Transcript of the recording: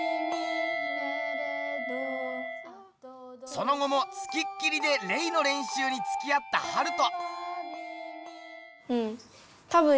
その後もつきっきりでレイの練習につきあったハルト。